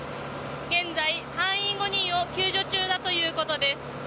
現在、隊員５人を救護中だということです。